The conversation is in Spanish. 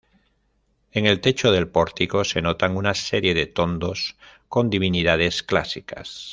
En el techo del pórtico se notan una serie de tondos con divinidades clásicas.